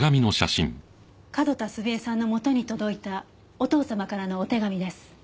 角田澄江さんのもとに届いたお父様からのお手紙です。